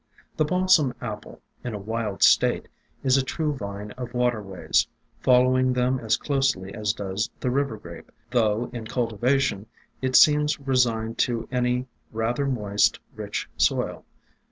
The Balsam Apple, in a wild state, is a true vine of waterways, following them as closely as does the River Grape, though in cultivation it seems resigned to any rather moist, rich soil.